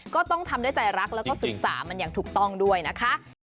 ก็ต้องทำด้วยใจรักแล้วก็ศึกษามันอย่างถูกต้องด้วยนะคะ